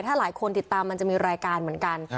ถ้าหลายคนติดตามมันจะมีรายการเหมือนกัน